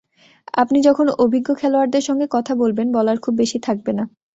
আপনি যখন অভিজ্ঞ খেলোয়াড়দের সঙ্গে কথা বলবেন, বলার খুব বেশি থাকবে না।